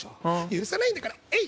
許さないんだからえい！